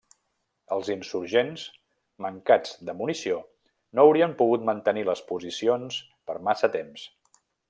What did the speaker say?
Els insurgents, mancats de munició, no haurien pogut mantenir les posicions per massa temps.